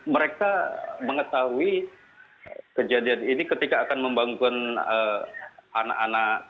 mereka mengetahui kejadian ini ketika akan membangun anak anak